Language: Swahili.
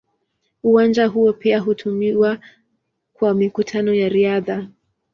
Uwanja huo pia hutumiwa kwa mikutano ya riadha.